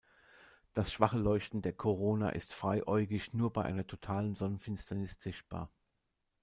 Das schwache Leuchten der Korona ist freiäugig nur bei einer totalen Sonnenfinsternis sichtbar.